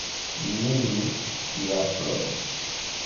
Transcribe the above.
Mil diabloj!